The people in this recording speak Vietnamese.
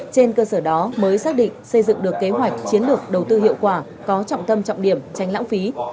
trên cơ sở đó mới xác định xây dựng được kế hoạch chiến lược đầu tư hiệu quả có trọng tâm trọng điểm tránh lãng phí